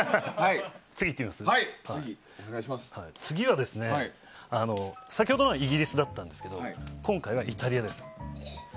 次は、先ほどのはイギリスだったんですけど今回はイタリアです。